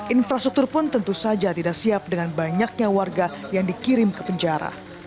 infrastruktur pun tentu saja tidak siap dengan banyaknya warga yang dikirim ke penjara